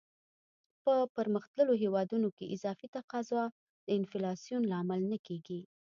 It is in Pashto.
په پرمختللو هیوادونو کې اضافي تقاضا د انفلاسیون لامل نه کیږي.